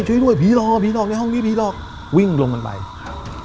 ช่วยด้วยผีหลอกผีหลอกในห้องนี้ผีหลอกวิ่งลงกันไปครับ